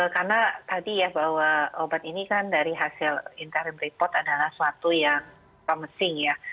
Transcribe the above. karena tadi ya bahwa obat ini kan dari hasil interim report adalah suatu yang promising ya